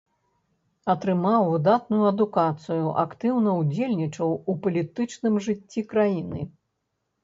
Атрымаў выдатную адукацыю, актыўна ўдзельнічаў у палітычным жыцці краіны.